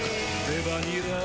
レバニラ